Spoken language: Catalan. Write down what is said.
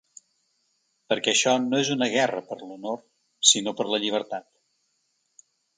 Perquè això no és una guerra per l’honor sinó per la llibertat.